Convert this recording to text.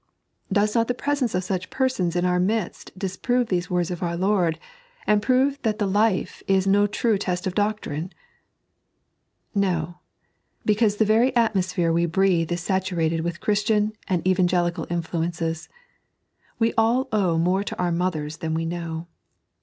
187 Does not tbe preaence of such persons in our midet dis prove these words of our Lord, and prove that the life is no true test of doctrine) So; because the very atmo sphere we breathe is saturated with Christian and Evan gelical influences. We all owe more to our mothers than we know.